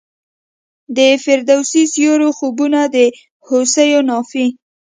د فردوسي سیورو خوبونه د هوسیو نافي